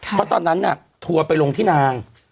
เพราะตอนนั้นทัวร์ไปลงที่นาง